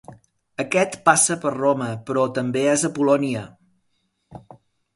Aquest passa per Roma, però també és a Polònia.